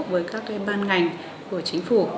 với các ban ngành của chính phủ